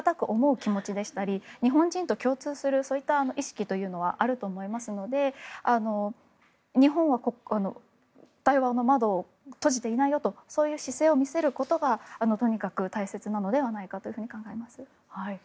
気持ちでしたり日本人と共通する意識というのはあると思いますので、日本は対話の窓を閉じていないよとそういう姿勢を見せることがとにかく大切なのではないかと考えます。